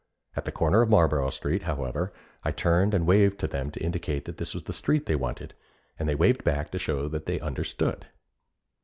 At the corner of Marlboro Street, however, I turned and waved to them to indicate that this was the street they wanted, and they waved back to show that they understood.